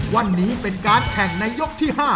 วันนี้เป็นการแข่งในยกที่๕